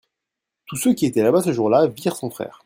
Tous ceux qui étaient là-bas ce jour-là virent son frère.